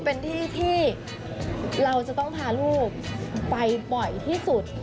เป็นที่ที่เราจะต้องพาลูกไปบ่อยที่สุด